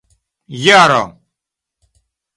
jaro